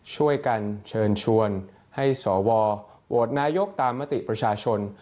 ช่วยกันเชิญชวนให้สวโหวตนายกตามมติประชาชน